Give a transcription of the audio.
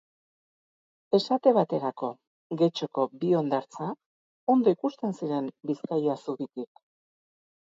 Esate baterako, Getxoko bi hondartza ondo ikusten ziren Bizkaia zubitik.